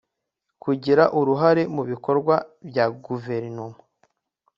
kugira uruhare mu bikorwa bya guverinoma